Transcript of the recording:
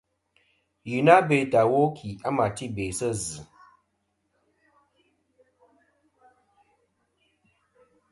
Yi na bêtɨ iwo kì a ma ti be sɨ zɨ.